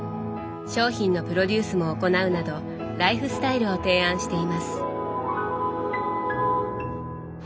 商品のプロデュースも行うなどライフスタイルを提案しています。